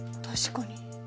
確かに。